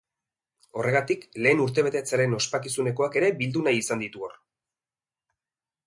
Horregatik, lehen urtebetetzearen ospakizunekoak ere bildu nahi izan ditu hor.